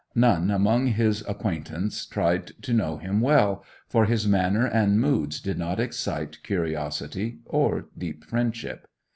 None among his acquaintance tried to know him well, for his manner and moods did not excite curiosity or deep friendship.